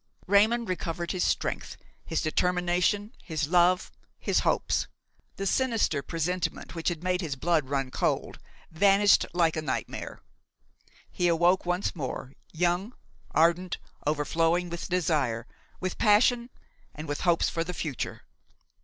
Raymon recovered his strength, his determination, his love, his hopes; the sinister presentiment, which had made his blood run cold, vanished like a nightmare. He awoke once more, young, ardent, overflowing with desire, with passion, and with hopes for the future.